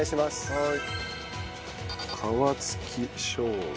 はい。